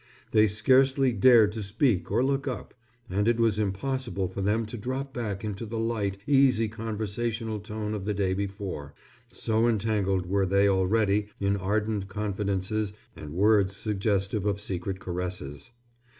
They scarcely dared to speak or look up, and it was impossible for them to drop back into the light, easy conversational tone of the day before, so entangled were they already in ardent confidences and words suggestive of secret caresses.